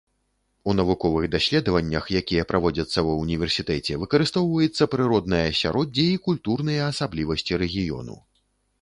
У навуковых даследаваннях, якія праводзяцца ва ўніверсітэце, выкарыстоўваецца прыроднае асяроддзе і культурныя асаблівасці рэгіёну.